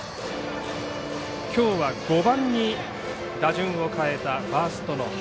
きょうは５番に打順を変えたファーストの垪和。